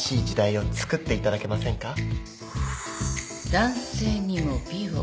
「男性にも美を」？